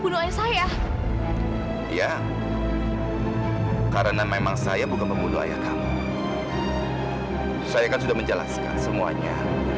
bunuh ayah saya ya karena memang saya bukan pembunuh ayah kamu saya kan sudah menjelaskan semuanya